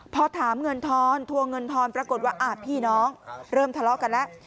พอถามเงินทอนทัวร์เงินทอนปรากฏว่าพี่น้องเริ่มทะเลาะกันแล้ว